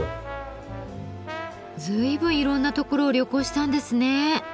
随分いろんなところを旅行したんですね。